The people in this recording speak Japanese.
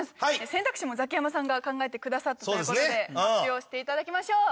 選択肢もザキヤマさんが考えてくださったという事で発表していただきましょう！